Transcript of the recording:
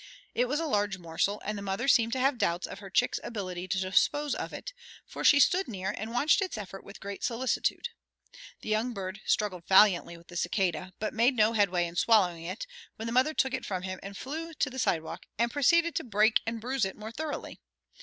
It was a large morsel, and the mother seemed to have doubts of her chick's ability to dispose of it, for she stood near and watched its efforts with great solicitude. The young bird struggled valiantly with the cicada, but made no head way in swallowing it, when the mother took it from him and flew to the sidewalk, and proceeded to break and bruise it more thoroughly.